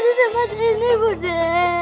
sampai mati ini budi